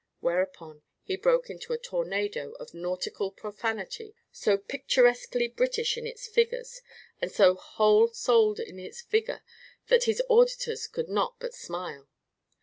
Whereupon he broke into a tornado of nautical profanity so picturesquely British in its figures, and so whole souled in its vigor, that his auditors could not but smile.